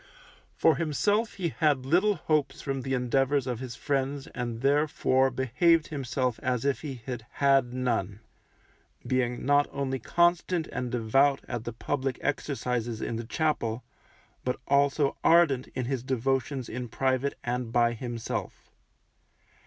For himself he had little hopes from the endeavours of his friends and therefore behaved himself as if he had had none, being not only constant and devout at the public exercises in the chapel, but also ardent in his devotions in private and by himself.